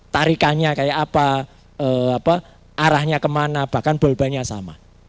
tarikannya kayak apa arahnya kemana bahkan bolbalnya sama